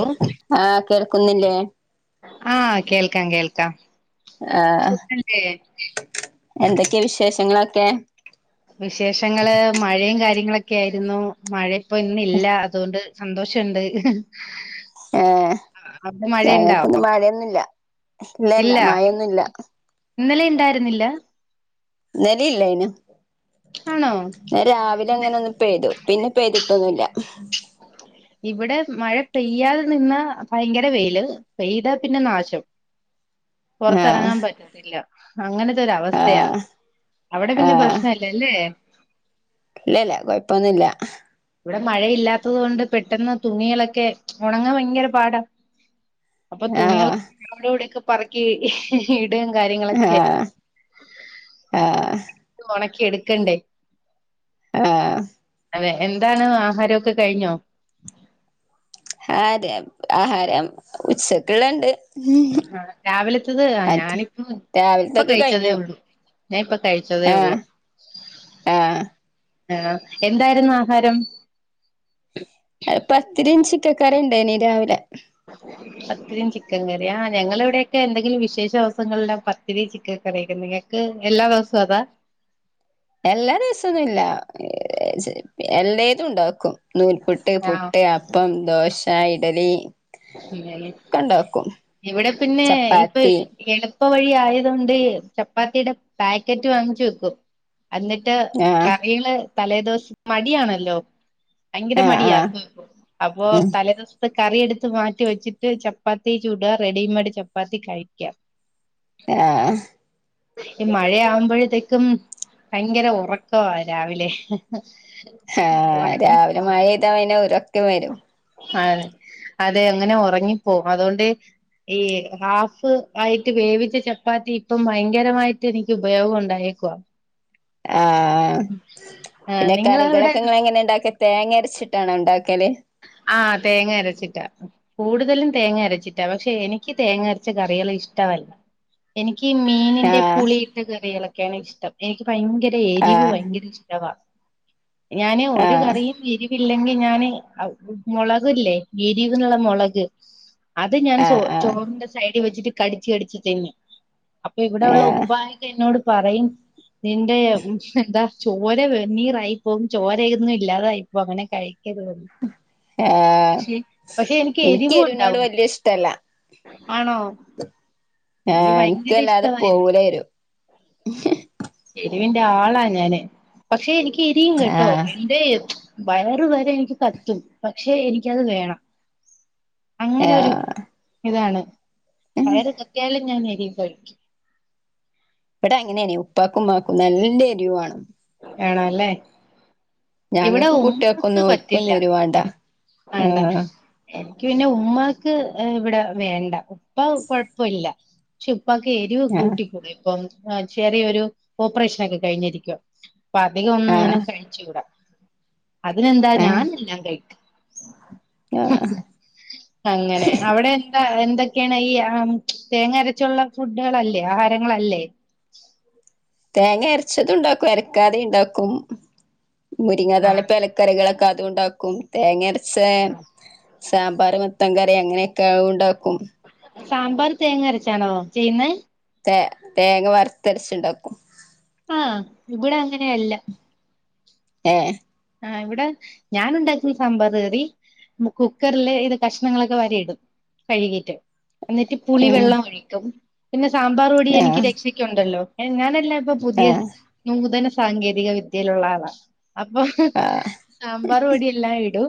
ഓ ആഹ് കേൾക്കുന്നില്ലേ ആഹ് കേൾക്കാം കേൾക്കാം ആഹ് സുഖല്ലേ എന്തൊക്കെയാ വിശേഷങ്ങളൊക്കെ വിശേഷങ്ങള് മഴയും കാര്യങ്ങളൊക്കെ ആയിരുന്നു മഴ ഇപ്പോ ഇന്നില്ല അതുകൊണ്ട് സന്തോഷണ്ട് ഏഹ് അവിടെ മഴയുണ്ടാവോ ഞങ്ങക്കൊന്നും മഴയൊന്നുല്ല ഇല്ല ഇല്ല മഴയൊന്നുല്ല ഇന്നലെ ഇണ്ടായിരുന്നില്ല ഇന്നലേ ഇല്ലായിന് ആണോ ന്നെ രാവിലെ ഇന്ന് അങ്ങനൊന്നു പെയ്തു പിന്നെ പെയ്തിട്ടൊന്നുല്ല ഇവിടെ മഴ പെയ്യാതെ നിന്നാ ഭയങ്കര വെയില് പെയ്താ പിന്നെ നാശം ആഹ് പൊറത്തെറങ്ങാൻ പറ്റത്തില്ല അങ്ങന ത്തൊരവസ്ഥയാ ആഹ് അവിടെ പിന്ന പ്രശ്നല്ലല്ലേ ഇല്ല്യല്ല കൊയപ്പോന്നുല്ല ഇവിടെ മഴയില്ലാത്തത് കൊണ്ട് പെട്ടെന്ന് തുണികളക്കെ ഒണങ്ങാൻ ഭയങ്കര പാടാ അപ്പൊ തുണികള് ആഹ് അവിടവിടെയൊക്കെ പറക്കീ ഇട് ടേം കാര്യങ്ങളൊക്കെ ആഹ് ആഹ് ഒണക്കി എടുക്കണ്ടേ ആഹ് അതെ എന്താണ് ആഹാരൊക്കെ കഴിഞ്ഞോ അതെ ആഹാരം ഉച്ചക്ക്ള്ള ഇണ്ട് ആഹ് രാവിലത്തത് ആഹ് ഞാനിപ്പോ ഇപ്പ രാവിലത്തൊക്കെ കഴിച്ചന്നേ കഴിഞ്ഞു ഒള്ളു ഞാ ഇപ്പൊ കഴിച്ചതേ ആഹ് ഒള്ളു ആഹ് ആഹ് എന്തായിരുന്നു ആഹാരം അഹ് പത്തിരീം ചിക്കക്കറി ഇണ്ടേനി രാവിലെ പത്തിരിയും ചിക്കൻ കറി ആഹ് ഞങ്ങളവിടെയൊക്കെ എന്തെങ്കിലും വിശേഷ ദെവസങ്ങളിലാ പത്തിരി ചിക്കൻ കറിയൊക്കെ നിങ്ങക്ക് എല്ലാ ദെവസോ അതാ എല്ലാ ദിവസൊന്നുല്ല [unintelligible] എല്ലേതും ഉണ്ടാക്കും നൂൽപ്പുട്ട് പുട്ട് അപ്പം ദോശ ഇഡലി [unintelligible] ഒക്കെ ഉണ്ടാക്കും ഇവടെ പിന്നെ ഇപ്പൊ ചപ്പാത്തി എളുപ്പ് പ്പ വഴി ആയതോണ്ട് ചപ്പാത്തിയുടെ പാക്കറ്റ് വാങ്ങിച്ചു വെക്കും എന്നിട്ട് ആഹ് കറികള് തലേ ദിവസം മടിയണല്ലോ? ഭയങ്കര ആഹ് മടിയ ആഹ് അപ്പൊ ഉം തലേദിവസത്ത് കറി എടുത്ത്- ത്ത് മാറ്റി വെച്ചിട്ട് ചപ്പാത്തി ചൂട റെഡിമെയഡ് ചപ്പാത്തി കഴിക്കാം. ആഹ്. ഈ മഴ ആവുമ്പോഴത്തേക്കും ഭയങ്കര ഉറക്കാ രാവിലെ- ആഹ രാവിലെ ഉറങ്ങിപ്പോവും മഴെയ്താ വന ഇരൊക്കെ വരും ആ അത അങ്ങനെ ഉറങ്ങിപ്പോവും അതുകൊണ്ട്- ഈ ഹാഫ് ആയിട്ട് വേവിച്ച ചപ്പാത്തി ഇപ്പം ഭയങ്കരമായിട്ട് എനിക്ക് ഉപയോഗം ഉണ്ടായി. ക്ക ആഹ് ആഹ് പിന്നെ നിങ്ങളവിടെ കറികളൊക്കെങ്ങ എങ്ങനെ ഇണ്ടാക്കിയ തേങ്ങ അരച്ചിട്ടാണോ ഉണ്ടാക്കല്? ആഹ തേങ്ങ അരച്ചിട്ടാ കൂടുതലും തേങ്ങ അരച്ചിട്ടാ പക്ഷെ എനിക്ക് തേങ്ങ അരച്ച കറികൾ ഇഷ്ടമല്ല. എനിക്ക്. എനിക്ക് മീനിന്റെ ആഹ് പുളിയിട്ട കറികളൊക്കെയാണ് ഇഷ്ടം എനിക്ക് ഭയങ്കര എരിവ് ആഹ് ഭയങ്കര ഇഷ്ട്ടാവാ. ഞാന് ഒരു ആഹ് കറിയും എരിവില്ലെങ്കിൽ ഞാന്- മുളകല്ലേ എരിവിനുള്ള മുളക്- അത് ഞാൻ ചോ ആഹ് ആഹ് ചോറിന്റെ സൈഡിൽ വെച്ചിട്ട് കടിച്ച് കടിച്ചു തിന്നും. അപ്പൊ ഇവിടെ ഉള്ള ആഹ് ഉപ്പായൊക്കെ എന്നോട് പറയും നിന്റെ എന്താ? ചോര വെന്നീറായി പോും ചോരന്നും ഇല്ലാതായിപ്പോും അങ്ങനെ കഴിക്കരുതെന്ന് ആഹ് പക്ഷെ പക്ഷെ എനിക്ക് എരിവിനോട് എരിവിണ്ടാവും വല്യ ഇഷ്ടല്ല ആണോ? എനിക്ക് ആഹ ഭയങ്കര എനക്ക്ല്ലാതെ ഇഷ്ടവാ എരിവ് പോകൂല വരും. എരിവിന്റെ ആളാ ഞാന് പക്ഷെ എനിക്ക് എരിയും കേട്ടോ ആഹ് എന്റെ- വയറു വരെ എനിക്ക് കത്തും പക്ഷെ എനിക്കത് വേണം. അങ്ങനൊരു ആഹ് ഇതാണ്. വയറ് കത്തിയാലും ഞാൻ എരിവ് കഴിക്കും. ഇവിടെ അങ്ങനെയന് ഉപ്പാക്കും ഉമ്മാക്കും നല്ല എരിവേണം. വണല്ലേ ഇവിടെ ഞങ്ങൾക്ക് ഉമ്മാക്ക് കുട്ടികൾക്കൊന്നും പറ്റില്ല. ഓൽക്കൊന്നും എരിവ് വേണ്ട ആണ്ട ആഹ് എനിക്ക് പിന്നെ ഉമ്മാക്ക് ഇവിടെ- വേണ്ട ഉപ്പ കൊഴപ്പില്ല പക്ഷെ ഉപ്പാക്ക് എരിവ് ആഹ് കൂട്ടിക്കൂടാ ഇപ്പം. ചെറിയൊരു ഓപ്പറേഷന ഒക്കെ കഴിഞ്ഞിരിക്കും അപ്പൊ അധികം ഒന്നും അങ്ങനെ ആഹ് കഴിച്ചുടാ. അതിനെന്താ ആഹ് ഞാനല്ലാം കഴിക്കും. ആഹ് അങ്ങനെ അവിടെ എന്താ എന്തൊക്കെയാണ് ഈ- ആ തേങ്ങ അരച്ചുള്ള ഫുഡുകളല്ലേ ആഹാരങ്ങളല്ലേ? തേങ്ങ അരച്ചതുും ഉണ്ടാക്കും അരക്കാതെ ണ്ടാക്കും. മുരിങ്ങ ആഹ് താലപ്പലക്കറികളൊക്കെ അതുകൊണ്ടാക്കും തേങ്ങരച്ച- സാമ്പാർ മത്തൻ കറി അങ്ങനെയൊക്കെ ണ്ടാക്കും. സാമ്പാർ തേങ്ങ അരച്ചാണോ ചെയ്യുന്നേ? ത തേങ്ങ വറുത്തരച്ചുണ്ടാക്കും. ആഹ് ഇവിടെ അങ്ങനെയല്ല. ഏ ആ ഇവിടെ ഞാൻ ഉണ്ടാക്കുന്ന സാമ്പാറ് കറി- കുക്കറില് ഇത് കഷ്ണങ്ങളൊക്കെ വരിയിടും കഴുകീട്ട്. എന്നിട്ട് പുളി ആഹ് വെള്ളം ഒഴിക്കും, പിന്നെ സാമ്പാർ പൊടി എനിക്ക് രക്ഷക്കുണ്ടല്ലോ ഞാനല്ല- ഇപ്പൊ പുതിയ ആഹ് നൂതന സാങ്കേതിക വിദ്യയിലുള്ള ആളാണ്. അപ്പൊ ആഹ് സാമ്പാറ് പൊടി എല്ലാം ഇടും.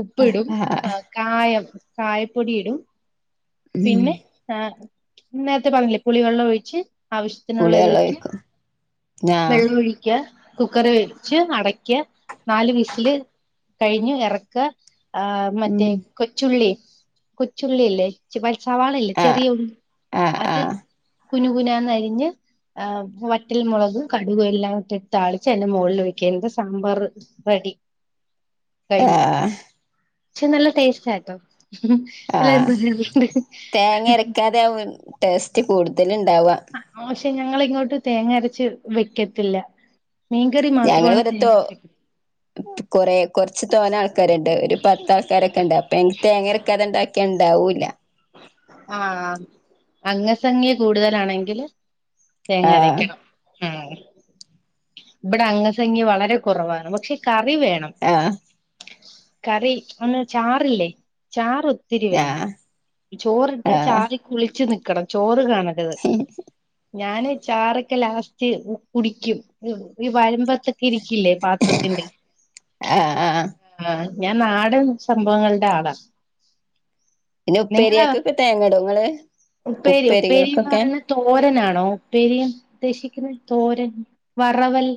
ഉപ്പിടും ആഹ് ആഹ് ആ കായം കായപ്പൊടിയിടും. ഉം പിന്നെ ആ നേരത്തെ പറഞ്ഞില്ലേ പുളിവെള്ളം ഒഴിച്ച്- ആവശ്യത്തിനുള്ള ഇത് പുളിവെള്ളം വെക്ക് ഒഴിക്കും ആഹ് വെള്ളോഴിക്ക. കുക്കർ വെച്ച് അടക്ക നാല് വിസില് കഴിഞ്ഞു ഇറക്ക. ആ, മറ്റേ ഉം കൊച്ചുള്ളി കൊച്ചുള്ളി ഇല്ലെ ചി സവാളല്ലേ ആഹ് ചെറിയ ഉള്ളി ആഹ് അത് ആഹ് കുനു കുനാന്നരിഞ്ഞ് ആ വറ്റൽ മുളകും, കടുകും എല്ലാം ഇട്ടിട്ട് താളിച്ച് അതിന്റെ മുകളിൽ ഒഴിച്ചുകഴിയുമ്പോ സാമ്പാർ റെഡി. [unintelligible] ആ കഴിഞ്ഞു പക്ഷെ നല്ല ടേസ്റ്റ് ആട്ടോ ആഹ് തേങ്ങ അരക്കാതെ ആ ടേസ്റ്റ് കൂടുതൽ ഉണ്ടാവാ പക്ഷെ ഞങ്ങളിങ്ങോട്ട് തേങ്ങ അരച്ച് വെക്കത്തില്ല മീൻകറി ഞങ്ങൾ മാത്രമാണ് വടുത്തോ തേങ്ങ അരച്ച് വെക്കുന്നത് കൊറെ തോന്ന ആൾക്കാരുണ്ട് ഒരു പത്ത് ആൾക്കാരൊക്കെ ഉണ്ട് അപ്പം തേങ്ങ അരക്കാതേ ണ്ടാക്കിയ ഇണ്ടാവൂല. ആ അംഗസഖ്യ കൂടുതലാണെങ്കിൽ തേങ്ങ ആഹ് അരക്കണം ആ ഇവിടെ അംഗസംഗ്യ വളരെ കുറവാണ് പക്ഷെ കറി വേണം ആഹ് കറി ഒന്ന് ചാറ് ല്ലേ ചാറ് ഒത്തിരി വേണം ആഹ് ചോറിട്ട ആഹ് ചാറി കുളിച്ചു നിക്കണം ചോറ് ചോറ് കാണരുത്. ഞാനും ചാറൊക്കെ ലാസ്റ്റ് ഉ കുടിക്കും ഈ വരുമ്പ ഇരിക്കില്ലേ പാത്രത്തിന്റെ ആഹ് ആഹ് ആ ഞാൻ നാടൻ സംഭവങ്ങളുടെ ആളാ പിന്നെ നിങ്ങള് ഉപ്പേരിയാക്കൊക്കെ തേങ്ങടൊഇങ്ങൾ ഉപ്പേരി ഉപ്പേരിന്ന് ഉപ്പേരികൾക്കൊക്കെ പറയുന്നത് തോരനാണോ ഉപ്പേരി ഉദ്ദേശിക്കുന്ന തോരൻ വറവൽ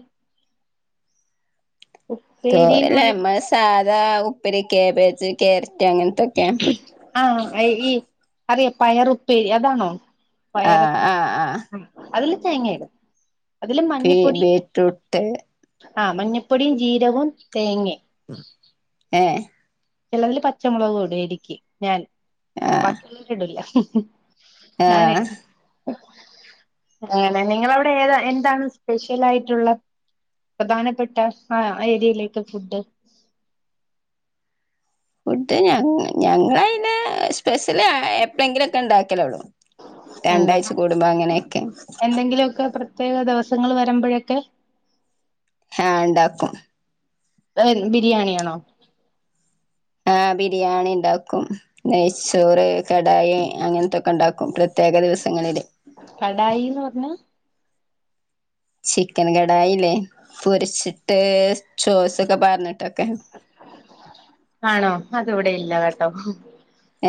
ഉപ്പേരിന്ന് തോരല്ലേ പറയുമ്പോ നമ്മ സാധാ ഉപ്പരി കാബേജ് ക്യാര ആ, [unintelligible] ഈ. അറിയ പയർ ഉപ്പേരി അതാണോ ആഹ് പയറൊക്കെ ആഹ് ആഹ് അതില് തേങ്ങയിടു അതില് ബീ മഞ്ഞപ്പൊടിയും. ബീറ്റ്റൂട്ട് ആ മഞ്ഞപ്പൊടിയും ജീരകവും തേങ്ങയും ഏഹ് മുളക് കൂടെ ഇടിക്ക് ഞാൻ ആഹ് ബാക്കിയൊന്നു ഇടില്ല. ഞാനെ. ആഹ് അതന്നെ നിങ്ങളവിടെ ഏതാ എന്താണ് സ്പെഷ്യൽ ആയിട്ടുള്ള. പ്രധാനപ്പെട്ട ആ ഏരിയയിലേക്ക് ഫുഡ് ഫുഡ് ഞങ്ങാ ഞങ്ങൾ പിന്നെ സ്പെഷ്യൽ എപ്പളെങ്കിലു ഒക്കെ ഉണ്ടാക്കലു ഉള്ളു. ഉണ്ട് രണ്ടാഴ്ച കൂടുമ്പോ അങ്ങനെയൊക്കെ. എന്തെങ്കിലുമൊക്കെ പ്രത്യേക ദിവസങ്ങൾ വരുമ്പോഴൊക്കെ. ആ ഉണ്ടാക്കും എഗ്ഗ് ബിരിയാണിയാണോ? ആഹ് ബിരിയാണി ഉണ്ടാക്കും നെയ്ച്ചോറ് കടായി അങ്ങനത്തൊക്കെ ഉണ്ടാക്കും പ്രത്യേക ദിവസങ്ങളിൽ കടായിന്ന് പറഞ്ഞ ചിക്കൻ കടായില്ലേ പൊരിച്ചിട്ട് ചോസൊക്കെ പകർന്നിട്ട്. ആണോ അതവിടെ ഇല്ല കേട്ടോ.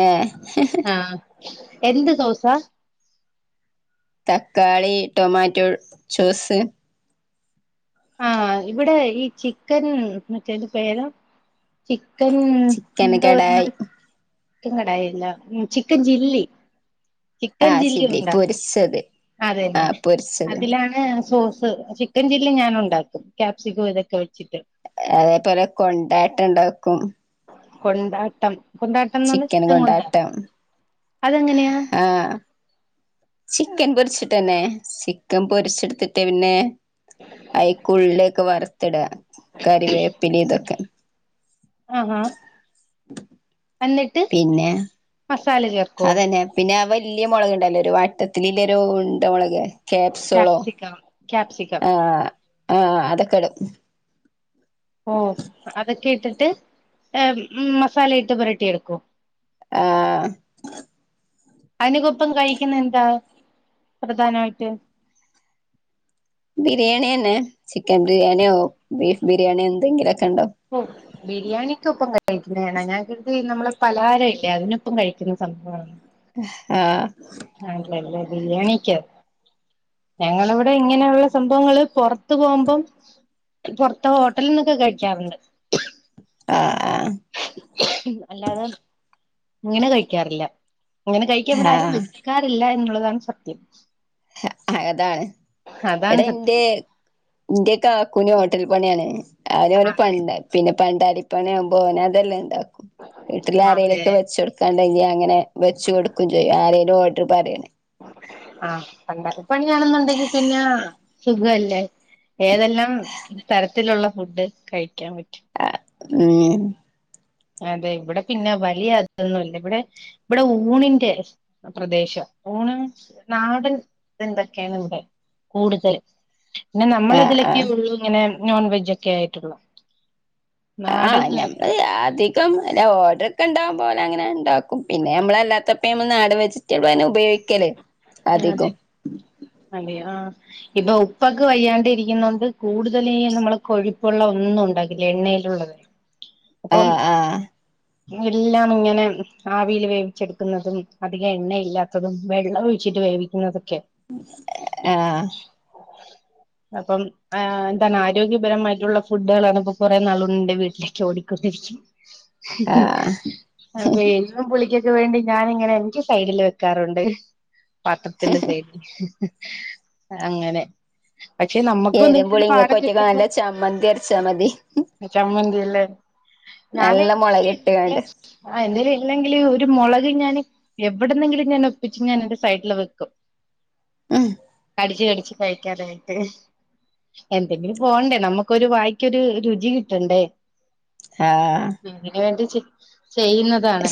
ഏഹ്. ആഹ് എന്ത് ദോസ തക്കാളി ടൊമാറ്റോ ജ്യൂസ് ആ ഇവിടെ ഈ ചിക്കൻ മറ്റേന്റെ പേര ചിക്കൻ എന്ത്‌. കടായി [unintelligible] ചിക്കൻ കടായില്ല ഉം ചിക്കൻ ചില്ലി. ചിക്കൻ ആഹ് ചില്ലി ഉണ്ടാക്കും പൊരിച്ചത് അതെല്ലെ ആഹ് പൊരിച്ചത് അതിലാണ് സോ ചിക്കൻ ചില്ലി ഞാൻ ഉണ്ടാക്കും ക്യാ പ്സിക്കോ ഇതൊക്കെ വെച്ച്. അതേപോലെ കൊണ്ടാട്ടം ഉണ്ടാക്കും. കൊണ്ടാട്ടം കൊണ്ടാട്ടം എന്ന് പറഞ്ഞ ചിക്കൻ കൊണ്ടാട്ടം അതെങ്ങനെയാ? ആഹ് ചിക്കൻ പൊരിച്ചിട്ടന്നെ ചിക്കൻ പൊരിച്ചെടുത്തിട്ടേ പിന്നെ അയിക്കുള്ളി ഒക്കെ വറത്തിടുക കറിവേപ്പില ഇതൊക്കെ. ആഹ് ആഹ്. പിന്നെ? മസാല ചേർക്കോ അതന്നെ. പിന്നെ അവ വലിയ മുളക്ണ്ടല്ല? ഒരു വ ത്തത്തിലില്ലരു ഉണ്ട മുളക് കാപ്സൊളോ ക്യാപ്സിക്കം ക്യാപ്സിക്കം ആ ആ അതൊക്കെടും ഓ അതൊക്കെ ഇട്ടിട്ട് എ മസാലയിട്ട് പുരട്ടി എടുക്കൊ ആ അയിനക്കൊപ്പം കഴിക്കുന്നെന്താ പ്രധാനായിട്ട് ബിരിയാണിയെന്നെ ചിക്കൻബിരിയാണിയോ ബീഫ്ബിരിയാണിഎന്തെങ്കിലൊ ഒ ബിരിയാണി കൊപ്പം കഴിക്കുന്നതാണ് ഞ കരുതി നമ്മെളെ പലാരഇല്ലേ അതിനൊപ്പം കഴിക്കുന്ന സംഭവണന്ന്‌ ആ ആല്ലല്ല ബിരിയാണികാ ഞങ്ങളവിടെ ഇങ്ങനെയുള്ള സംഭവങ്ങള് പൊറത്ത്പോവുമ്പം പൊറത്ത ഹോ ട്ടൽന്നൊക്കെ കഴിക്കാറ്ണ്ട് ആഹ് അല്ലാതെ ഇങ്ങനെ കഴിക്കാറില്ല ഇങ്ങനെ കഴിക്ക ഇവ്ടെ ആരും ആഹ് വെക്കാറില്ല എന്നുള്ളതാണ് സത്യം. അ അതാണ് വ്ട അതാണ് സത്യം ന്റെ ന്റെ കാകുന് ഹോട്ടൽ പണിആണ് അവന അവന് അതെ പണ്ടെ പിന്നെ പണ്ടാലിപണിവുമ്പോ പിന്നെതല്ലേ ണ്ടാക്കു വീട്ടില് അതെ ആരേലൊക്കെ വെച്ച്ടുക്കാണ്ടെങ്കി അങ്ങനെ വെച്ചുകൊടുക്കും ചെയ്യും. ആരേലും ഓഡ്ർപറയണേ ആ പണ്ടാലി പണിയാണെന്നുണ്ടെങ്കിപിന്നെ സുഖല്ലേ ഏതെല്ലാം തരത്തിലുള്ള ഫുഡ് കഴിക്കാൻ പ ആഹ് ഉം അതെ ഇവിടെ പിന്നെ വലിയ അതൊന്നുല്ല ഇവടെ ഇവടെ ഊണിന്റെ പ്രദേശ ഊണും നാടൻ എന്തെക്കേണ് ഇവടെ കൂടുതൽ പിന്നെ ആഹ് നമ്മളതിലൊക്കെ ആഹ് ഒള്ളൂ ഇങ്ങനെ നോൺവെജക്കെയിട്ടുള്ളൂ. ആ ഞമ്മള് അധികംല്ല ഓഡർ ക ഇണ്ടാവുമ്പോലെ അങ്ങനെണ്ടാക്കും പിന്നെ നമ്മളല്ലാത്തപ്പയ്മ്മന്ന് ആഡ് വെജിറ്റബിളയ്ന്ന്‌ ഉപയോഗി ക്കല് അതെ അധികം. അതെ ആ ഇപ്പൊ ഉപ്പക്ക് വയ്യാണ്ടിഇരിക്കുന്നോണ്ട് കൂടുതലേ നമ്മള് കൊഴിപ്പുള്ള ഒന്നും ഉണ്ടകില്ല എണ്ണ്യേൽ അപ്പം ആഹ് ആഹ് എല്ലാം ഇങ്ങനെ ആവില് വേവിച്ചെടുക്കുന്നതും അധികം എണ്ണയില്ലാത്തതും വെള്ളഒഴിച്ചിട്ട് വേവിക്കുന്നതൊക്കെ ആഹ് അപ്പം ആ എന്താണ് ആരോഗ്യപരമായിട്ടുള്ള ഫുഡ്ഡ്ള്ആണ്പ്പോ കൊറേനാളോണ്ട് ന്റെ വീട്ടിലേക്ക് ഓടി [unintelligible] ആഹ് അപ്പ എരിവും പുളിക്കൊക്കവേണ്ടി ഞാനിങ്ങനെ എനിക്ക് സൈഡിൽ വെക്കാറുണ്ട്. പാത്രത്തിന്റെ സൈഡിൽ അങ്ങനെ പക്ഷെ നമ്മക്ക് ഒന്നിങ്കിലൊരു എരുമ്പുളി ഇങ്ങക്ക് പാഠം ഒറ്റക്ക് കിട്ട്മ്പൊ നല്ല ചമ്മന്തി അരച്ചാ മതി ചമ്മന്തിയല്ലേ ഞാന് നല്ല എന്തെങ്കിലും ഇല്ലെങ്കില് മൊളകിട്ട്കാണ്ട് ആ എന്തെലും ഇല്ലെങ്കില് ഒരു മൊള ലുംഞാന് എവിടുന്നെങ്കിലും ഞാന്ഒപ്പിച്ച് ഞാന് എന്റെ സൈഡില് വെക്കും. അഹ് കടിച്ച് കടിച്ച് കഴിക്കാനായിട്ട്. എന്തെങ്കിലും പോണ്ടേ നമുക്കൊരു വായ്ക്കൊരു രുചി കിട്ടണ്ടേ ആഹ് അങ്ങനെ വേണ്ടി ചി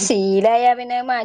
സീലായ പിന്നെ അത് മാ